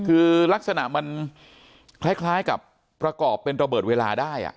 คือลักษณะมันคล้ายกับประกอบเป็นระเบิดเวลาได้